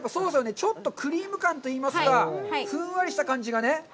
ちょっとクリーム感といいますか、ふんわりした感じがね。